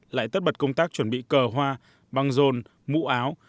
lại tất bật công tác chuẩn bị cờ hoa băng rồn mũ áo